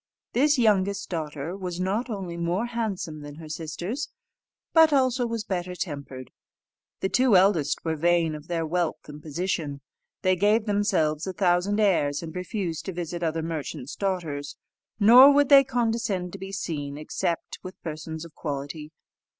This youngest daughter was not only more handsome than her sisters, but also was better tempered. The two eldest were vain of their wealth and position. They gave themselves a thousand airs, and refused to visit other merchants' daughters; nor would they condescend to be seen except with persons of quality.